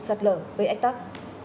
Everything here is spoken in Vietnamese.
sạt lở với ách tắc